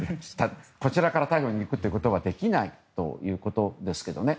こちらから逮捕に行くことはできないということですけどね。